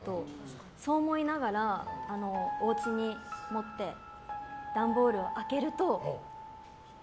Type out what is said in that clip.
そう思いながら、おうちに持って段ボールを開けると。